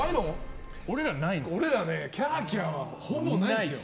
俺らキャーキャーはほぼないですね。